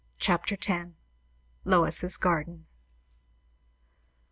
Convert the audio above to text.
CHAPTER X. LOIS'S GARDEN.